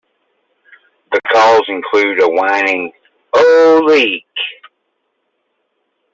The calls include a whining "ooo-leeek".